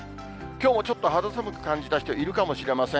きょうもちょっと肌寒く感じた人いるかもしれません。